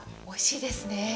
おいしいですね。